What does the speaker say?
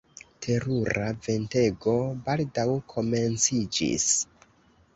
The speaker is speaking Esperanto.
Terura ventego baldaŭ komenciĝis.